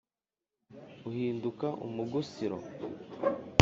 Uhinduka umugusiro !